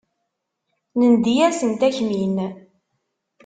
Nendi-asent akmin.